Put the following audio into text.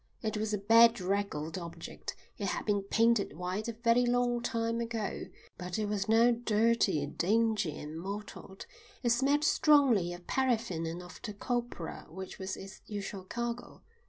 It was a bedraggled object; it had been painted white a very long time ago, but it was now dirty, dingy, and mottled. It smelt strongly of paraffin and of the copra which was its usual cargo.